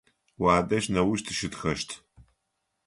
Уадэжь неущ тыщытхэщт.